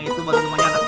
itu baru baru anak papi